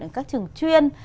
ở các trường chuyên